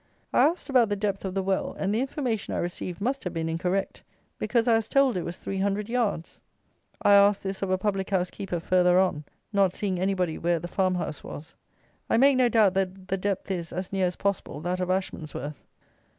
I asked about the depth of the well; and the information I received must have been incorrect; because I was told it was three hundred yards. I asked this of a public house keeper farther on, not seeing anybody where the farm house was. I make no doubt that the depth is, as near as possible, that of Ashmansworth.